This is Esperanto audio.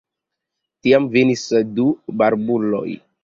Tiam venis du barbuloj.